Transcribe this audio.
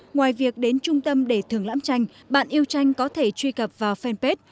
ngoài việc đến trung tâm để thưởng lãm tranh bạn yêu tranh có thể truy cập vào fanpage